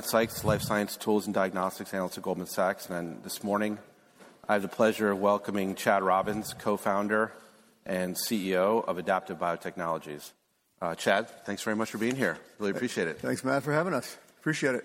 Psychs, life science, tools, and diagnostics analyst at Goldman Sachs. This morning, I have the pleasure of welcoming Chad Robins, Co-Founder and CEO of Adaptive Biotechnologies. Chad, thanks very much for being here. Really appreciate it. Thanks, Matt, for having us. Appreciate it.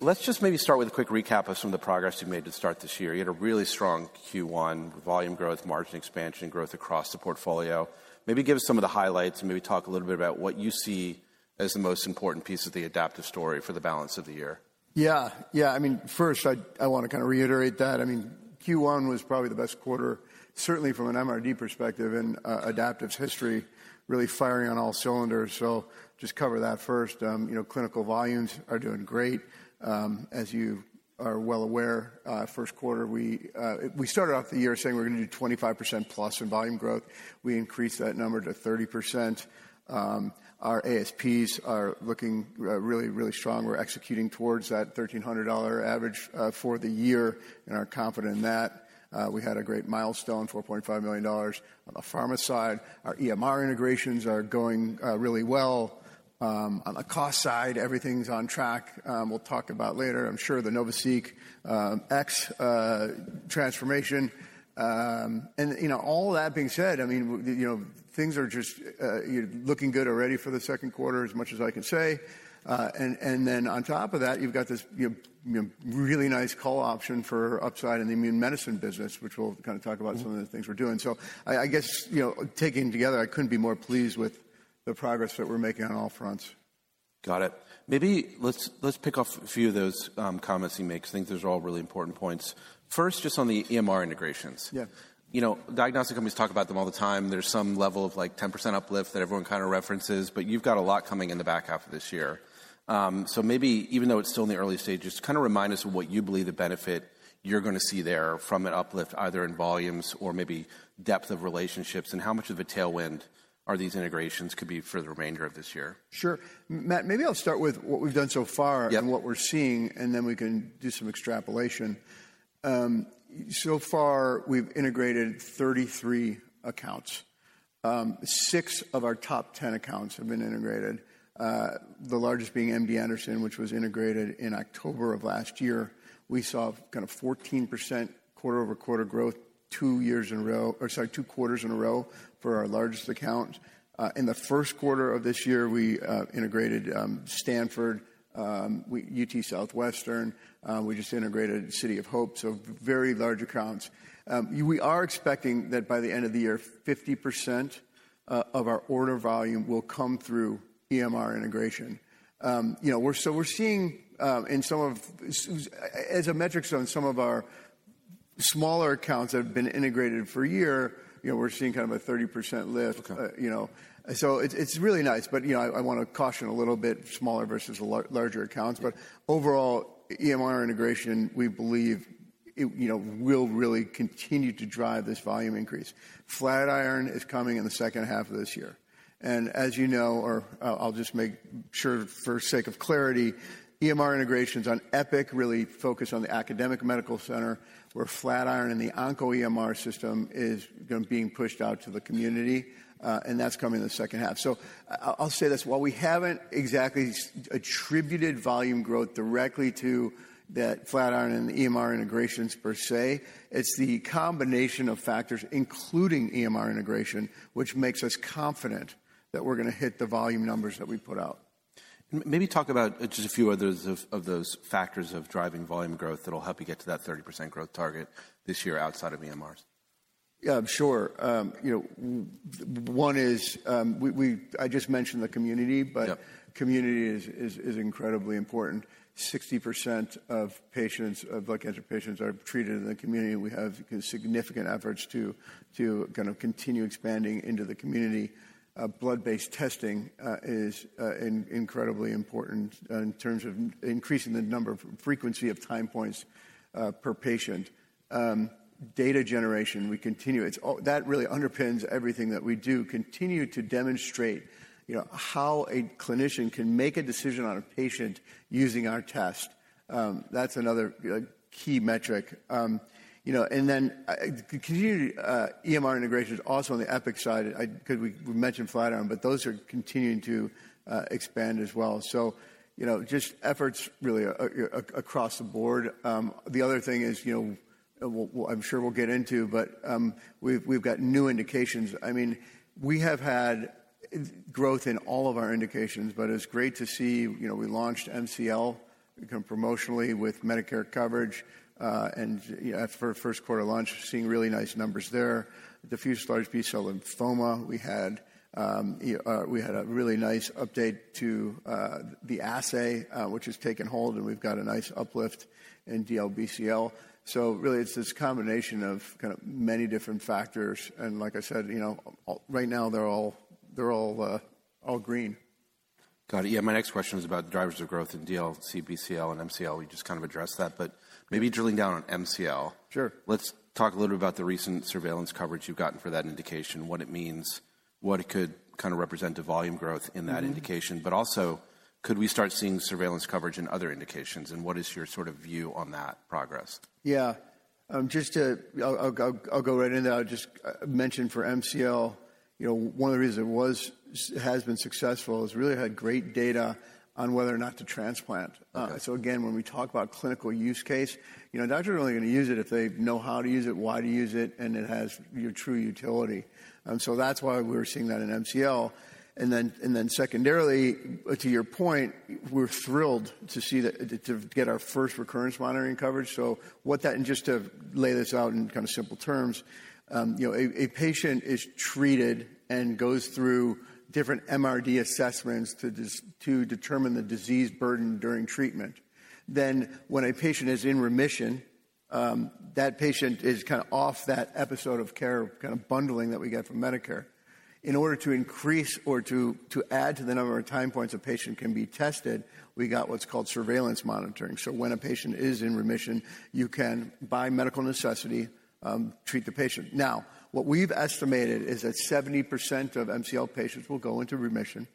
Let's just maybe start with a quick recap of some of the progress you've made to start this year. You had a really strong Q1, volume growth, margin expansion, growth across the portfolio. Maybe give us some of the highlights and maybe talk a little bit about what you see as the most important piece of the Adaptive story for the balance of the year. Yeah, yeah. I mean, first, I want to kind of reiterate that. I mean, Q1 was probably the best quarter, certainly from an MRD perspective in Adaptive's history, really firing on all cylinders. Just cover that first. Clinical volumes are doing great. As you are well aware, first quarter, we started off the year saying we're going to do 25%+ in volume growth. We increased that number to 30%. Our ASPs are looking really, really strong. We're executing towards that $1,300 average for the year, and we're confident in that. We had a great milestone, $4.5 million on the pharma side. Our EMR integrations are going really well. On the cost side, everything's on track. We'll talk about later, I'm sure, the NovaSeq X transformation. All that being said, I mean, things are just looking good already for the second quarter, as much as I can say. On top of that, you've got this really nice call option for upside in the immune medicine business, which we'll kind of talk about some of the things we're doing. I guess, taking it together, I couldn't be more pleased with the progress that we're making on all fronts. Got it. Maybe let's pick off a few of those comments you make. I think they're all really important points. First, just on the EMR integrations. Diagnostic companies talk about them all the time. There's some level of like 10% uplift that everyone kind of references, but you've got a lot coming in the back half of this year. Maybe, even though it's still in the early stages, just kind of remind us of what you believe the benefit you're going to see there from an uplift, either in volumes or maybe depth of relationships, and how much of a tailwind these integrations could be for the remainder of this year. Sure. Matt, maybe I'll start with what we've done so far and what we're seeing, and then we can do some extrapolation. So far, we've integrated 33 accounts. Six of our top 10 accounts have been integrated, the largest being MD Anderson, which was integrated in October of last year. We saw kind of 14% quarter-over-quarter growth two years in a row, or sorry, two quarters in a row for our largest account. In the first quarter of this year, we integrated Stanford, UT Southwestern. We just integrated City of Hope. Very large accounts. We are expecting that by the end of the year, 50% of our order volume will come through EMR integration. We're seeing in some of, as a metric zone, some of our smaller accounts that have been integrated for a year, we're seeing kind of a 30% lift. It's really nice. I want to caution a little bit smaller versus larger accounts. Overall, EMR integration, we believe, will really continue to drive this volume increase. Flatiron is coming in the second half of this year. As you know, or I'll just make sure for sake of clarity, EMR integrations on Epic really focus on the academic medical center, where Flatiron and the OncoEMR system is being pushed out to the community. That is coming in the second half. I'll say this, while we haven't exactly attributed volume growth directly to that Flatiron and EMR integrations per se, it's the combination of factors, including EMR integration, which makes us confident that we're going to hit the volume numbers that we put out. Maybe talk about just a few of those factors of driving volume growth that'll help you get to that 30% growth target this year outside of EMRs. Yeah, sure. One is, I just mentioned the community, but community is incredibly important. 60% of patients are treated in the community. We have significant efforts to kind of continue expanding into the community. Blood-based testing is incredibly important in terms of increasing the number of frequency of time points per patient. Data generation, we continue. That really underpins everything that we do, continue to demonstrate how a clinician can make a decision on a patient using our test. That's another key metric. EMR integration is also on the Epic side. We mentioned Flatiron, but those are continuing to expand as well. Just efforts really across the board. The other thing is, I'm sure we'll get into, but we've got new indications. I mean, we have had growth in all of our indications, but it's great to see we launched MCL promotionally with Medicare coverage. That's for first quarter launch, seeing really nice numbers there. Diffuse large B-cell lymphoma, we had a really nice update to the assay, which has taken hold, and we've got a nice uplift in DLBCL. Really, it's this combination of kind of many different factors. Like I said, right now, they're all green. Got it. Yeah, my next question is about drivers of growth in DLBCL and MCL. You just kind of addressed that. But maybe drilling down on MCL. Sure. Let's talk a little bit about the recent surveillance coverage you've gotten for that indication, what it means, what it could kind of represent to volume growth in that indication. Also, could we start seeing surveillance coverage in other indications? What is your sort of view on that progress? Yeah. Just to, I'll go right in there. I'll just mention for MCL, one of the reasons it has been successful is it really had great data on whether or not to transplant. Again, when we talk about clinical use case, doctors are only going to use it if they know how to use it, why to use it, and it has your true utility. That is why we were seeing that in MCL. Secondarily, to your point, we're thrilled to get our first recurrence monitoring coverage. What that, and just to lay this out in kind of simple terms, a patient is treated and goes through different MRD assessments to determine the disease burden during treatment. When a patient is in remission, that patient is kind of off that episode of care kind of bundling that we get from Medicare. In order to increase or to add to the number of time points a patient can be tested, we got what's called surveillance monitoring. When a patient is in remission, you can, by medical necessity, treat the patient. Now, what we've estimated is that 70% of MCL patients will go into remission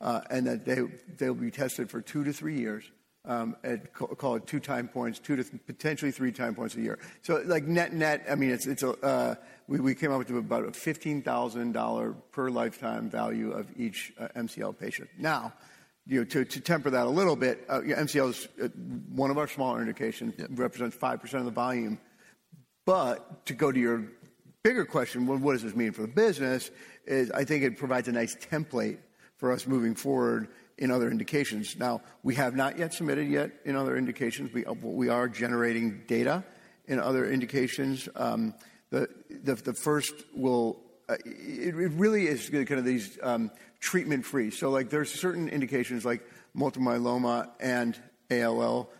and that they'll be tested for two to three years, call it two time points, two to potentially three time points a year. Net, net, I mean, we came up with about a $15,000 per lifetime value of each MCL patient. Now, to temper that a little bit, MCL is one of our smaller indications, represents 5% of the volume. To go to your bigger question, what does this mean for the business, is I think it provides a nice template for us moving forward in other indications. Now, we have not yet submitted yet in other indications. We are generating data in other indications. The first will, it really is kind of these treatment-free. So there's certain indications like multiple myeloma and ALL,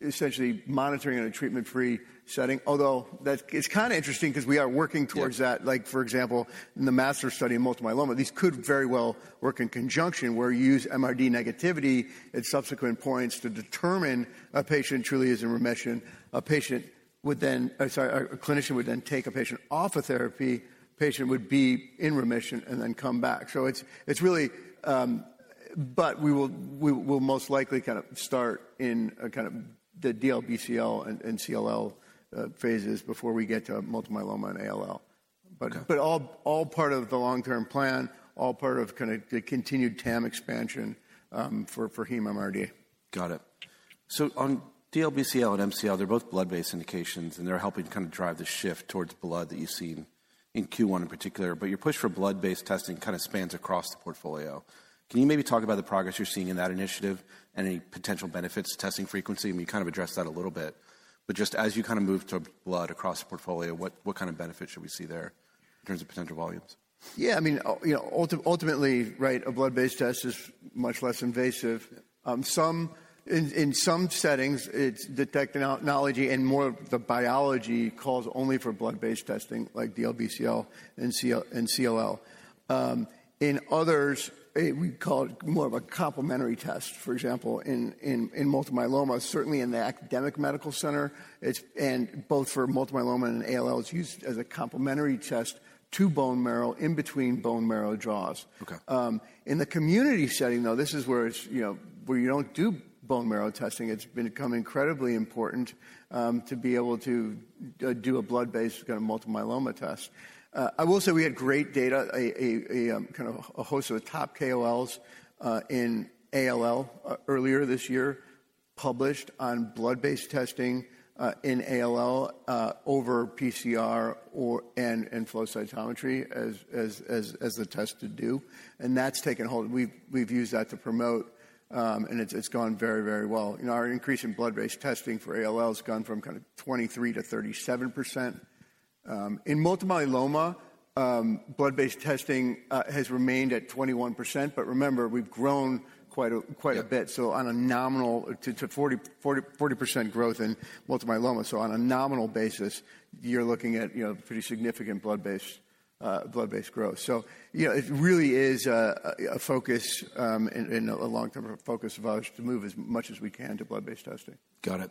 essentially monitoring in a treatment-free setting. Although it's kind of interesting because we are working towards that. Like for example, in the master study in multiple myeloma, these could very well work in conjunction where you use MRD negativity at subsequent points to determine a patient truly is in remission. A patient would then, sorry, a clinician would then take a patient off of therapy. A patient would be in remission and then come back. So it's really, but we will most likely kind of start in kind of the DLBCL and CLL phases before we get to multiple myeloma and ALL. All part of the long-term plan, all part of kind of the continued TAM expansion for heme MRD. Got it. On DLBCL and MCL, they're both blood-based indications, and they're helping kind of drive the shift towards blood that you've seen in Q1 in particular. Your push for blood-based testing kind of spans across the portfolio. Can you maybe talk about the progress you're seeing in that initiative and any potential benefits to testing frequency? I mean, you kind of addressed that a little bit. Just as you kind of move to blood across the portfolio, what kind of benefits should we see there in terms of potential volumes? Yeah, I mean, ultimately, right, a blood-based test is much less invasive. In some settings, it's the technology and more of the biology calls only for blood-based testing, like DLBCL and CLL. In others, we call it more of a complementary test. For example, in multiple myeloma, certainly in the academic medical center, and both for multiple myeloma and ALL, it's used as a complementary test to bone marrow in between bone marrow draws. In the community setting, though, this is where you don't do bone marrow testing. It's become incredibly important to be able to do a blood-based kind of multiple myeloma test. I will say we had great data, kind of a host of top KOLs in ALL earlier this year published on blood-based testing in ALL over PCR and flow cytometry as the test to do. That's taken hold. We've used that to promote, and it's gone very, very well. Our increase in blood-based testing for ALL has gone from kind of 23%-37%. In multiple myeloma, blood-based testing has remained at 21%. But remember, we've grown quite a bit. On a nominal to 40% growth in multiple myeloma. On a nominal basis, you're looking at pretty significant blood-based growth. It really is a focus and a long-term focus of ours to move as much as we can to blood-based testing. Got it.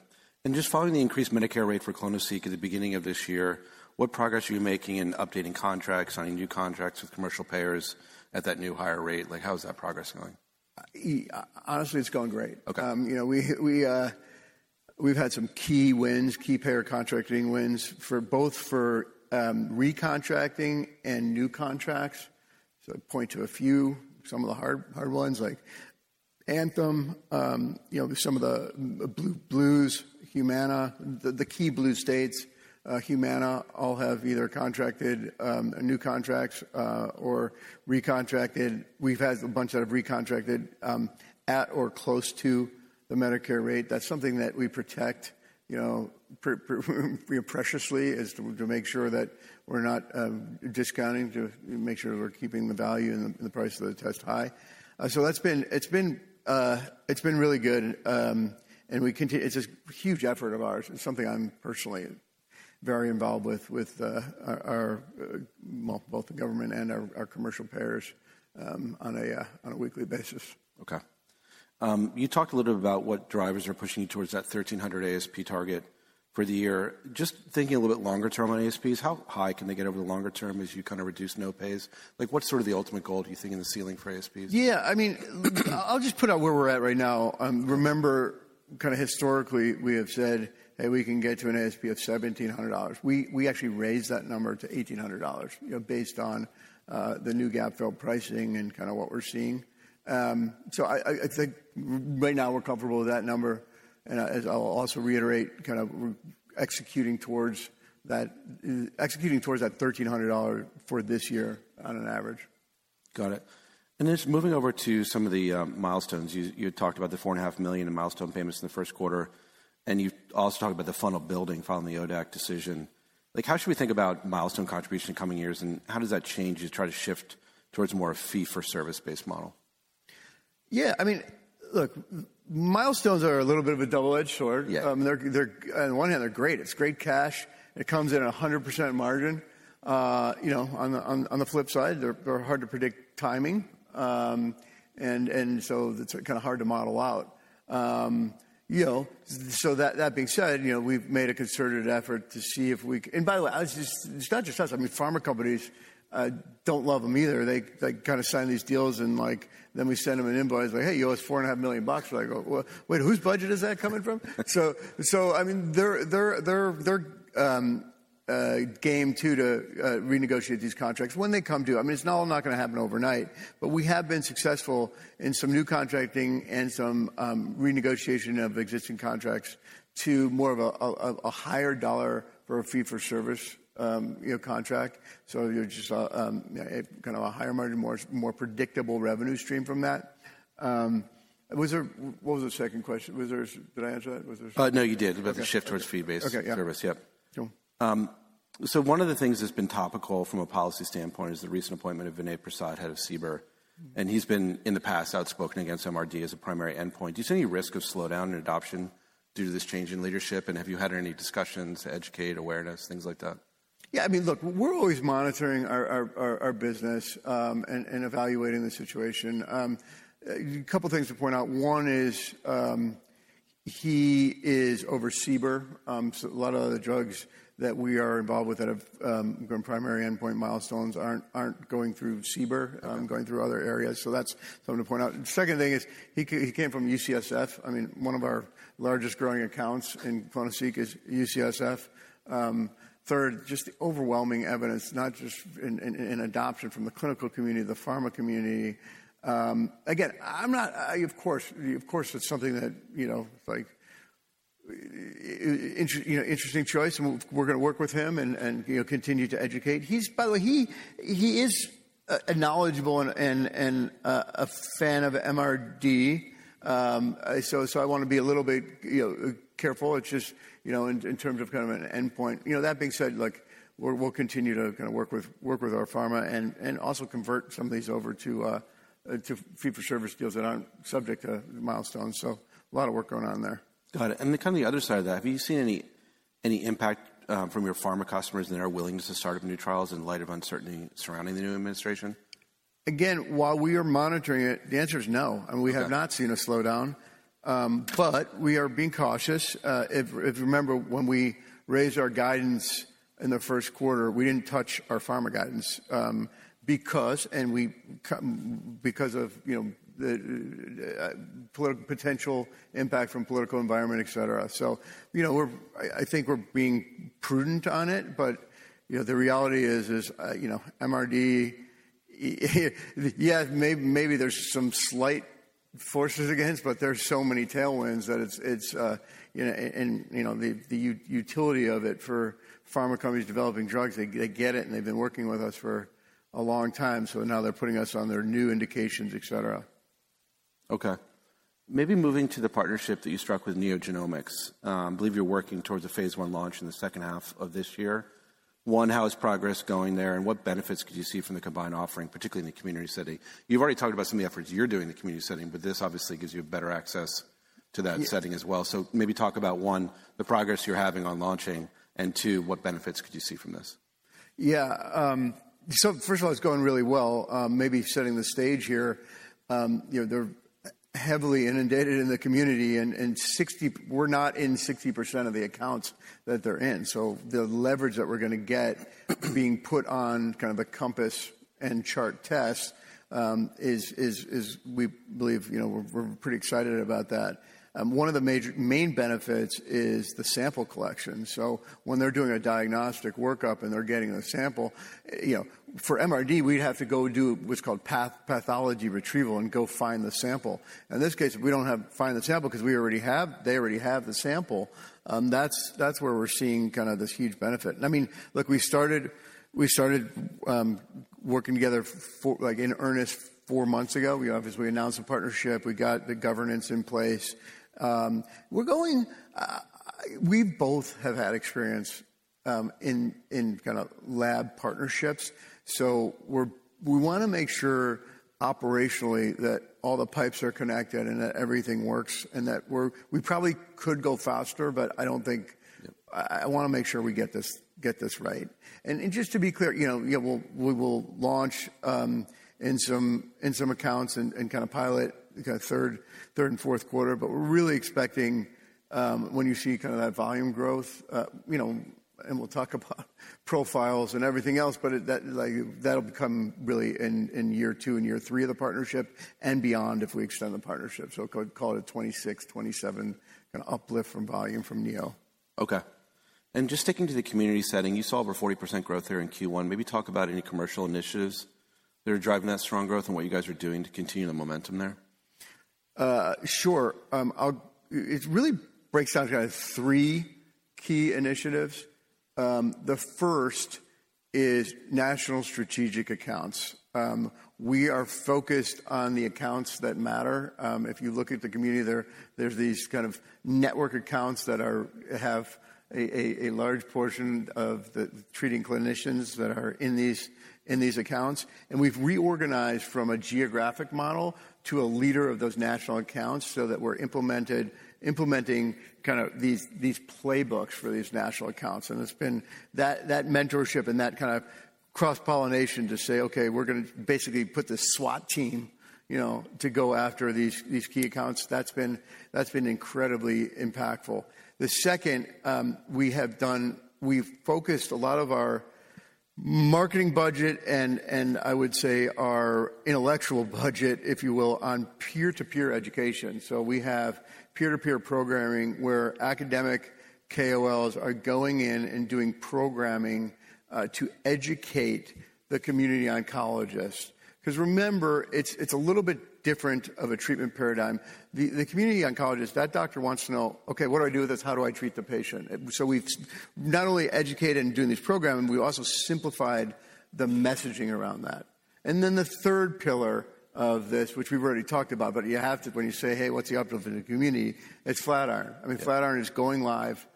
Just following the increased Medicare rate for clonoSEQ at the beginning of this year, what progress are you making in updating contracts, signing new contracts with commercial payers at that new higher rate? Like how is that progress going? Honestly, it's going great. We've had some key wins, key payer contracting wins both for recontracting and new contracts. To point to a few, some of the hard ones like Anthem, some of the Blues, Humana, the key blue states, Humana all have either contracted new contracts or recontracted. We've had a bunch of recontracted at or close to the Medicare rate. That's something that we protect preciously is to make sure that we're not discounting, to make sure we're keeping the value and the price of the test high. It's been really good. It's a huge effort of ours. It's something I'm personally very involved with with both the government and our commercial payers on a weekly basis. Okay. You talked a little bit about what drivers are pushing you towards that $1,300 ASP target for the year. Just thinking a little bit longer term on ASPs, how high can they get over the longer term as you kind of reduce no-pays? Like what's sort of the ultimate goal, do you think, in the ceiling for ASPs? Yeah, I mean, I'll just put out where we're at right now. Remember, kind of historically, we have said, hey, we can get to an ASP of $1,700. We actually raised that number to $1,800 based on the new gap fill pricing and kind of what we're seeing. I think right now we're comfortable with that number. I'll also reiterate kind of executing towards that, executing towards that $1,300 for this year on an average. Got it. And then just moving over to some of the milestones, you had talked about the $4.5 million in milestone payments in the first quarter. And you also talked about the funnel building following the ODAC decision. Like how should we think about milestone contribution in coming years? And how does that change to try to shift towards more a fee-for-service-based model? Yeah, I mean, look, milestones are a little bit of a double-edged sword. On the one hand, they're great. It's great cash. It comes in at 100% margin. On the flip side, they're hard to predict timing. It is kind of hard to model out. That being said, we've made a concerted effort to see if we can, and by the way, it's not just us. I mean, pharma companies do not love them either. They kind of sign these deals, and then we send them an invoice like, hey, you owe us $4.5 million. They're like, wait, whose budget is that coming from? I mean, they're game too to renegotiate these contracts when they come to. It is all not going to happen overnight. We have been successful in some new contracting and some renegotiation of existing contracts to more of a higher dollar for a fee-for-service contract. You are just kind of a higher margin, more predictable revenue stream from that. What was the second question? Did I answer that? No, you did about the shift towards fee-based service. Yeah. One of the things that's been topical from a policy standpoint is the recent appointment of Vinay Prasad, head of CBER. He's been in the past outspoken against MRD as a primary endpoint. Do you see any risk of slowdown in adoption due to this change in leadership? Have you had any discussions, educate, awareness, things like that? Yeah, I mean, look, we're always monitoring our business and evaluating the situation. A couple of things to point out. One is he is over CBER. So a lot of the drugs that we are involved with that have grown primary endpoint milestones are not going through CBER, going through other areas. That is something to point out. The second thing is he came from UCSF. I mean, one of our largest growing accounts in clonoSEQ is UCSF. Third, just overwhelming evidence, not just in adoption from the clinical community, the pharma community. Again, I'm not, of course, of course, it's something that's like interesting choice. We're going to work with him and continue to educate. By the way, he is knowledgeable and a fan of MRD. I want to be a little bit careful. It's just in terms of kind of an endpoint. That being said, we'll continue to kind of work with our pharma and also convert some of these over to fee-for-service deals that aren't subject to milestones. A lot of work going on there. Got it. And then kind of the other side of that, have you seen any impact from your pharma customers and their willingness to start up new trials in light of uncertainty surrounding the new administration? Again, while we are monitoring it, the answer is no. I mean, we have not seen a slowdown. We are being cautious. If you remember when we raised our guidance in the first quarter, we did not touch our pharma guidance because of the potential impact from political environment, et cetera. I think we are being prudent on it. The reality is MRD, yeah, maybe there are some slight forces against, but there are so many tailwinds that it's, and the utility of it for pharma companies developing drugs, they get it and they have been working with us for a long time. Now they are putting us on their new indications, et cetera. Okay. Maybe moving to the partnership that you struck with NeoGenomics. I believe you're working towards a phase I launch in the second half of this year. One, how is progress going there? And what benefits could you see from the combined offering, particularly in the community setting? You've already talked about some of the efforts you're doing in the community setting, but this obviously gives you better access to that setting as well. Maybe talk about one, the progress you're having on launching, and two, what benefits could you see from this? Yeah. First of all, it's going really well. Maybe setting the stage here. They're heavily inundated in the community. We're not in 60% of the accounts that they're in. The leverage that we're going to get being put on kind of the compass and chart test is, we believe, we're pretty excited about that. One of the main benefits is the sample collection. When they're doing a diagnostic workup and they're getting a sample, for MRD, we'd have to go do what's called pathology retrieval and go find the sample. In this case, we don't have to find the sample because we already have, they already have the sample. That's where we're seeing kind of this huge benefit. I mean, look, we started working together in earnest four months ago. We obviously announced the partnership. We got the governance in place. We both have had experience in kind of lab partnerships. We want to make sure operationally that all the pipes are connected and that everything works and that we probably could go faster, but I do not think I want to make sure we get this right. Just to be clear, we will launch in some accounts and kind of pilot kind of third and fourth quarter. We are really expecting when you see kind of that volume growth, and we will talk about profiles and everything else, but that will become really in year two and year three of the partnership and beyond if we extend the partnership. Call it a 2026, 2027 kind of uplift from volume from NeoGenomics. Okay. And just sticking to the community setting, you saw over 40% growth there in Q1. Maybe talk about any commercial initiatives that are driving that strong growth and what you guys are doing to continue the momentum there. Sure. It really breaks down to kind of three key initiatives. The first is national strategic accounts. We are focused on the accounts that matter. If you look at the community, there's these kind of network accounts that have a large portion of the treating clinicians that are in these accounts. We have reorganized from a geographic model to a leader of those national accounts so that we're implementing kind of these playbooks for these national accounts. It has been that mentorship and that kind of cross-pollination to say, okay, we're going to basically put the SWAT team to go after these key accounts. That has been incredibly impactful. The second, we have done, we've focused a lot of our marketing budget and I would say our intellectual budget, if you will, on peer-to-peer education. We have peer-to-peer programming where academic KOLs are going in and doing programming to educate the community oncologists. Because remember, it's a little bit different of a treatment paradigm. The community oncologist, that doctor wants to know, okay, what do I do with this? How do I treat the patient? We've not only educated in doing this programming, we also simplified the messaging around that. The third pillar of this, which we've already talked about, but you have to, when you say, hey, what's the option for the community, it's Flatiron. I mean, Flatiron is going live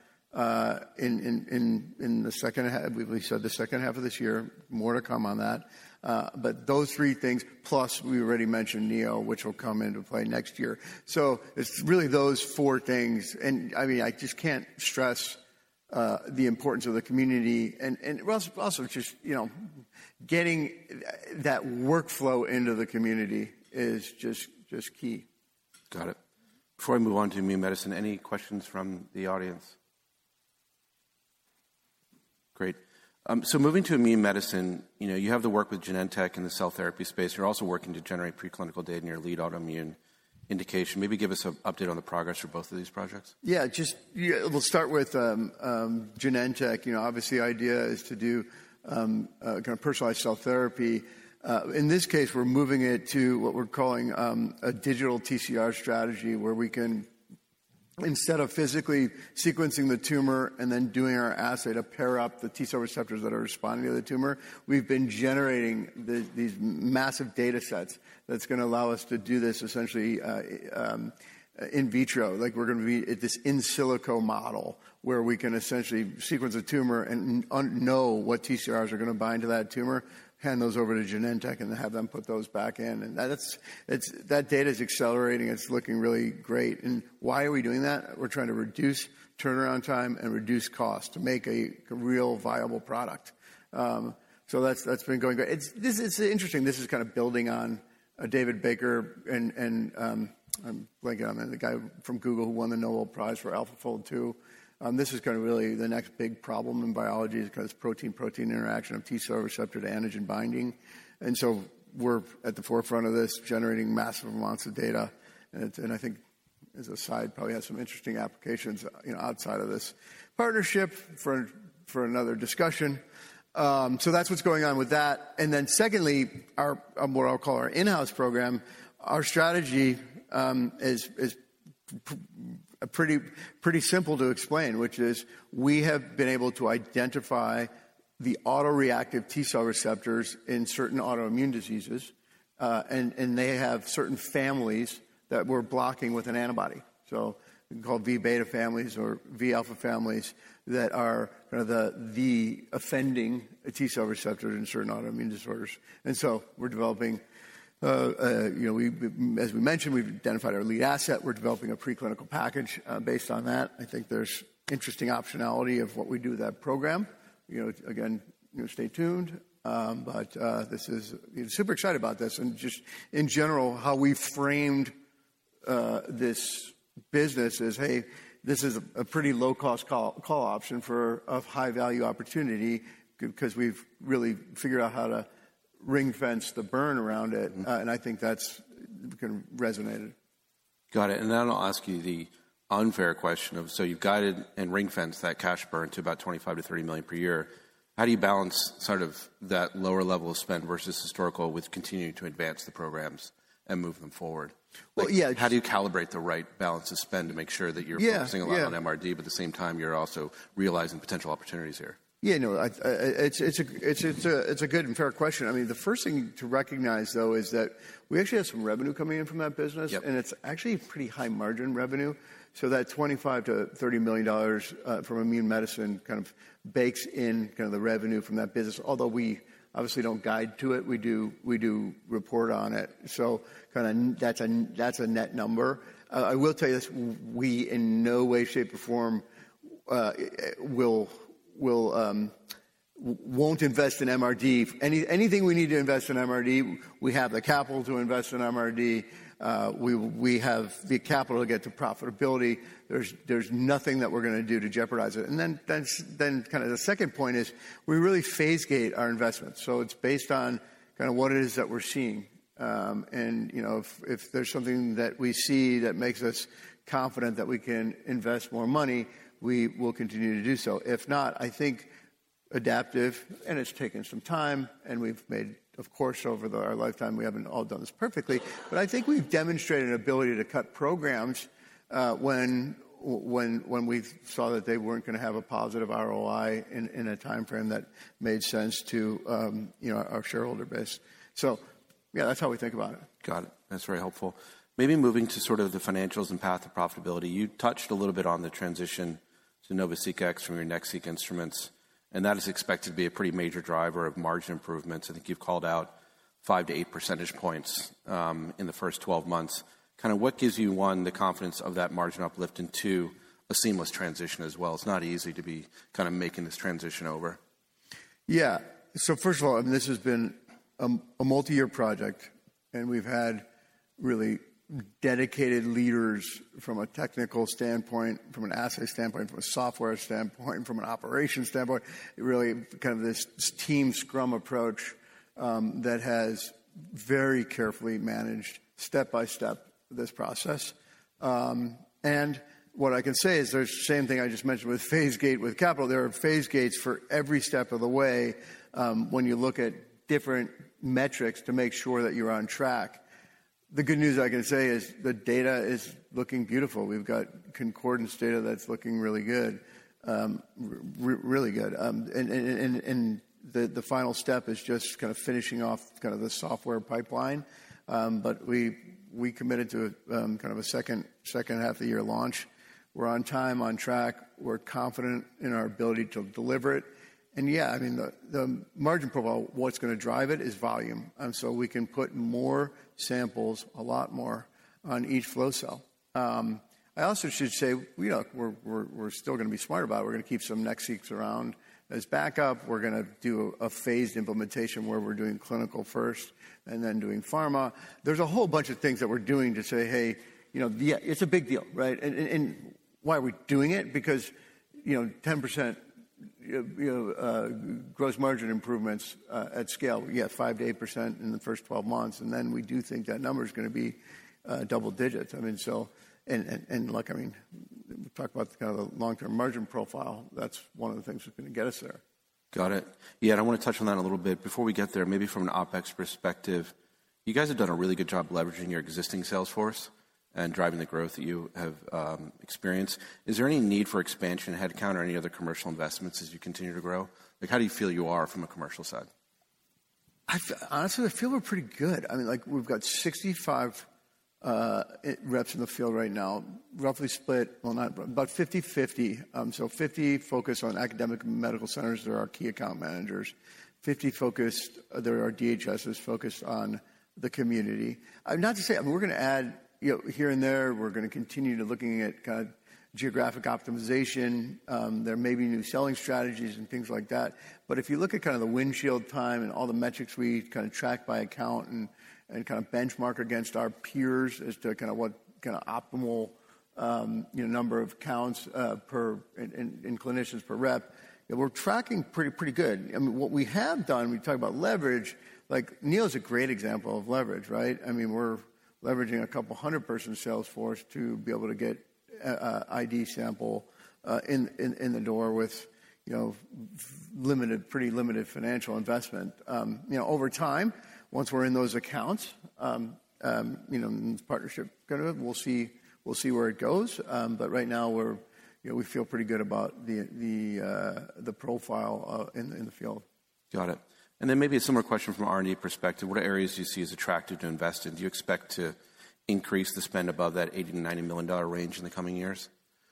in the second half, we said the second half of this year, more to come on that. Those three things, plus we already mentioned NeoGenomics, which will come into play next year. It's really those four things. I mean, I just can't stress the importance of the community. Also, just getting that workflow into the community is just key. Got it. Before I move on to immune medicine, any questions from the audience? Great. Moving to immune medicine, you have the work with Genentech in the cell therapy space. You're also working to generate preclinical data in your lead autoimmune indication. Maybe give us an update on the progress for both of these projects. Yeah, just we'll start with Genentech. Obviously, the idea is to do kind of personalized cell therapy. In this case, we're moving it to what we're calling a digital TCR strategy where we can, instead of physically sequencing the tumor and then doing our assay to pair up the T-cell receptors that are responding to the tumor, we've been generating these massive data sets that's going to allow us to do this essentially in vitro. Like we're going to be at this in silico model where we can essentially sequence a tumor and know what TCRs are going to bind to that tumor, hand those over to Genentech and have them put those back in. That data is accelerating. It's looking really great. Why are we doing that? We're trying to reduce turnaround time and reduce cost to make a real viable product. That's been going great. This is interesting. This is kind of building on David Baker and the guy from Google who won the Nobel Prize for AlphaFold 2. This is kind of really the next big problem in biology is kind of this protein-protein interaction of T-cell receptor to antigen binding. We are at the forefront of this generating massive amounts of data. I think as a side, probably has some interesting applications outside of this partnership for another discussion. That is what is going on with that. Secondly, what I will call our in-house program, our strategy is pretty simple to explain, which is we have been able to identify the autoreactive T-cell receptors in certain autoimmune diseases. They have certain families that we are blocking with an antibody. So called V-beta families or V-alpha families that are kind of the offending T-cell receptors in certain autoimmune disorders. We are developing, as we mentioned, we have identified our lead asset. We are developing a preclinical package based on that. I think there is interesting optionality of what we do with that program. Again, stay tuned. This is super exciting. In general, how we have framed this business is, hey, this is a pretty low-cost call option for a high-value opportunity because we have really figured out how to ring-fence the burn around it. I think that has kind of resonated. Got it. I'll ask you the unfair question of, so you've guided and ring-fenced that cash burn to about $25 million-$30 million per year. How do you balance sort of that lower level of spend versus historical with continuing to advance the programs and move them forward? How do you calibrate the right balance of spend to make sure that you're focusing a lot on MRD, but at the same time, you're also realizing potential opportunities here? Yeah, no, it's a good and fair question. I mean, the first thing to recognize though is that we actually have some revenue coming in from that business. And it's actually pretty high-margin revenue. So that $25 milion-$30 million from immune medicine kind of bakes in kind of the revenue from that business. Although we obviously don't guide to it, we do report on it. So kind of that's a net number. I will tell you this, we in no way, shape, or form won't invest in MRD. Anything we need to invest in MRD, we have the capital to invest in MRD. We have the capital to get to profitability. There's nothing that we're going to do to jeopardize it. And then kind of the second point is we really phase gate our investments. So it's based on kind of what it is that we're seeing. If there is something that we see that makes us confident that we can invest more money, we will continue to do so. If not, I think Adaptive, and it has taken some time, and we have made, of course, over our lifetime, we have not all done this perfectly, but I think we have demonstrated an ability to cut programs when we saw that they were not going to have a positive ROI in a timeframe that made sense to our shareholder base. Yeah, that is how we think about it. Got it. That's very helpful. Maybe moving to sort of the financials and path to profitability. You touched a little bit on the transition to NovaSeq X from your NextSeq instruments. And that is expected to be a pretty major driver of margin improvements. I think you've called out five to eight percentage points in the first 12 months. Kind of what gives you, one, the confidence of that margin uplift and two, a seamless transition as well? It's not easy to be kind of making this transition over. Yeah. First of all, this has been a multi-year project. We've had really dedicated leaders from a technical standpoint, from an asset standpoint, from a software standpoint, from an operations standpoint. Really kind of this team scrum approach that has very carefully managed step by step this process. What I can say is the same thing I just mentioned with phase gate with capital. There are phase gates for every step of the way when you look at different metrics to make sure that you're on track. The good news I can say is the data is looking beautiful. We've got concordance data that's looking really good, really good. The final step is just kind of finishing off the software pipeline. We committed to kind of a second half of year launch. We're on time, on track. We're confident in our ability to deliver it. Yeah, I mean, the margin profile, what's going to drive it is volume. We can put more samples, a lot more on each flow cell. I also should say we're still going to be smart about it. We're going to keep some NextSeqs around as backup. We're going to do a phased implementation where we're doing clinical first and then doing pharma. There's a whole bunch of things that we're doing to say, hey, it's a big deal, right? Why are we doing it? Because 10% gross margin improvements at scale, we get 5%-8% in the first 12 months. We do think that number is going to be double digits. I mean, and look, I mean, we talk about kind of the long-term margin profile. That's one of the things that's going to get us there. Got it. Yeah, and I want to touch on that a little bit. Before we get there, maybe from an OpEx perspective, you guys have done a really good job leveraging your existing Salesforce and driving the growth that you have experienced. Is there any need for expansion headcount or any other commercial investments as you continue to grow? Like how do you feel you are from a commercial side? Honestly, I feel we're pretty good. I mean, like we've got 65 reps in the field right now, roughly split, well, not about 50/50. So 50 focused on academic medical centers. There are key account managers. 50 focused, there are DHSs focused on the community. Not to say we're going to add here and there. We're going to continue to look at kind of geographic optimization. There may be new selling strategies and things like that. If you look at kind of the windshield time and all the metrics we kind of track by account and kind of benchmark against our peers as to kind of what kind of optimal number of accounts and clinicians per rep, we're tracking pretty good. I mean, what we have done, we talk about leverage. Like Neo is a great example of leverage, right? I mean, we're leveraging a couple hundred person Salesforce to be able to get ID sample in the door with pretty limited financial investment. Over time, once we're in those accounts, partnership kind of, we'll see where it goes. Right now, we feel pretty good about the profile in the field. Got it. Maybe a similar question from R&D perspective. What areas do you see as attractive to invest in? Do you expect to increase the spend above that $80 milion-$90 million range in the coming years?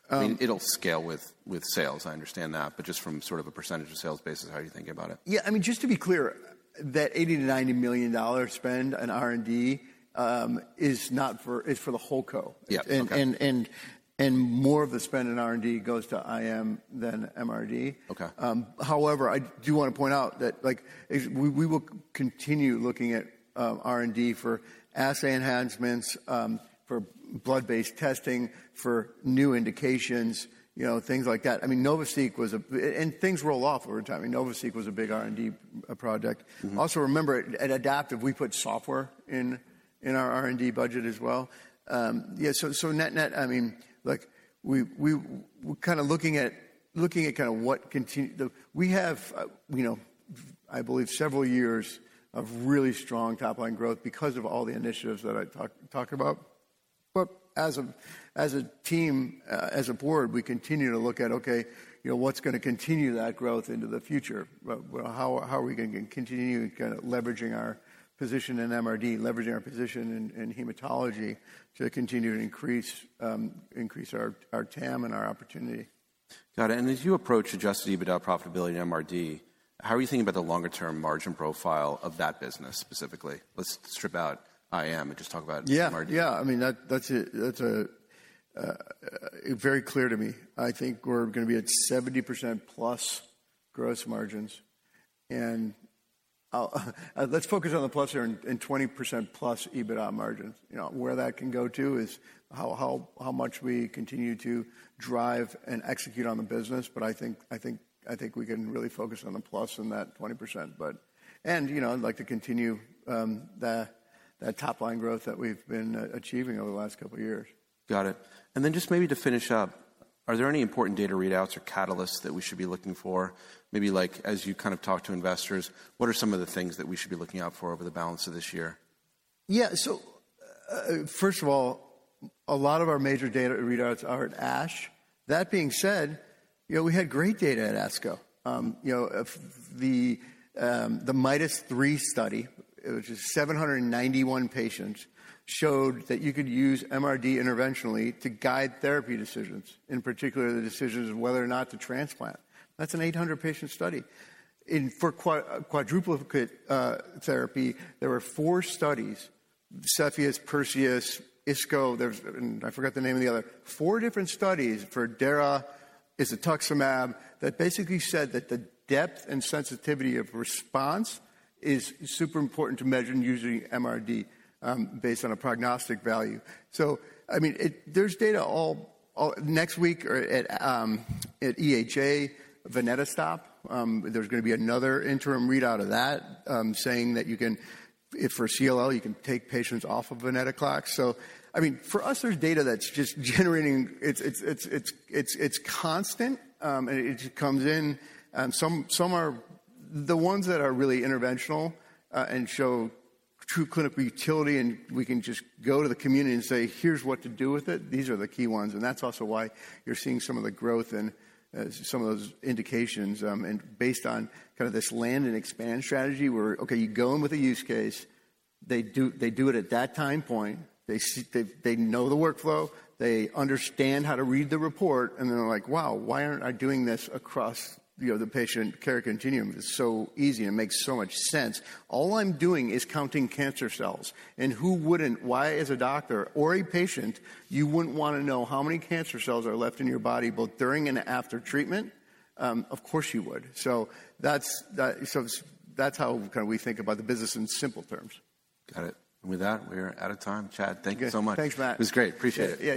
I mean, it'll scale with sales, I understand that. Just from sort of a percentage of sales basis, how are you thinking about it? Yeah, I mean, just to be clear, that $80 million-$90 million spend on R&D is for the whole co. And more of the spend in R&D goes to IM than MRD. However, I do want to point out that we will continue looking at R&D for assay enhancements, for blood-based testing, for new indications, things like that. I mean, NovaSeq was a, and things roll off over time. I mean, NovaSeq was a big R&D project. Also remember, at Adaptive, we put software in our R&D budget as well. Yeah, so net-net, I mean, look, we're kind of looking at kind of what continues. We have, I believe, several years of really strong top-line growth because of all the initiatives that I talked about. But as a team, as a board, we continue to look at, okay, what's going to continue that growth into the future? How are we going to continue kind of leveraging our position in MRD, leveraging our position in hematology to continue to increase our TAM and our opportunity? Got it. As you approach adjusted EBITDA profitability in MRD, how are you thinking about the longer-term margin profile of that business specifically? Let's strip out IM and just talk about MRD. Yeah, I mean, that's very clear to me. I think we're going to be at 70%+ gross margins. And let's focus on the plus here in 20%+ EBITDA margins. Where that can go to is how much we continue to drive and execute on the business. But I think we can really focus on the plus in that 20%. And like to continue that top-line growth that we've been achieving over the last couple of years. Got it. And then just maybe to finish up, are there any important data readouts or catalysts that we should be looking for? Maybe like as you kind of talk to investors, what are some of the things that we should be looking out for over the balance of this year? Yeah, so first of all, a lot of our major data readouts are at ASH. That being said, we had great data at ASCO. The MITUS-3 study, which is 791 patients, showed that you could use MRD interventionally to guide therapy decisions, in particular the decisions of whether or not to transplant. That is an 800-patient study. For quadruplet therapy, there were four studies, CEPHEUS, PERSEUS, ISKIA. I forgot the name of the other. Four different studies for Dara, Isatuximab, that basically said that the depth and sensitivity of response is super important to measure using MRD based on a prognostic value. I mean, there is data all next week at EHA, Venetostop. There is going to be another interim readout of that saying that you can, for CLL, you can take patients off of Venetoclax. I mean, for us, there is data that is just generating. It is constant. It comes in. The ones that are really interventional and show true clinical utility, and we can just go to the community and say, here's what to do with it. These are the key ones. That's also why you're seeing some of the growth and some of those indications. Based on kind of this land and expand strategy, where okay, you go in with a use case, they do it at that time point. They know the workflow. They understand how to read the report. Then they're like, wow, why aren't I doing this across the patient care continuum? It's so easy and makes so much sense. All I'm doing is counting cancer cells. Who wouldn't? Why, as a doctor or a patient, you wouldn't want to know how many cancer cells are left in your body both during and after treatment? Of course you would. That's how kind of we think about the business in simple terms. Got it. And with that, we're out of time. Chad, thank you so much. Thanks, Matt. It was great. Appreciate it.